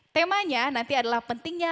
temanya nanti adalah pentingnya